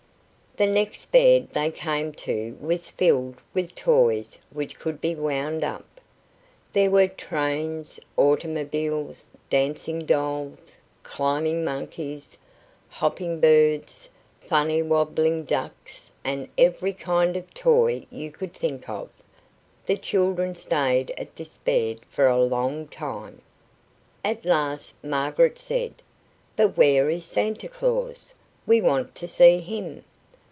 The next bed they came to was filled with toys which could be wound up. There were trains, automobiles, dancing dolls, climbing monkeys, hopping birds, funny wobbling ducks, and every kind of toy you could think of. The children stayed at this bed for a long time. At last Margaret said: "But where is Santa Claus? We wanted to see him."